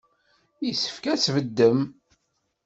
Yessefk ad tbeddem.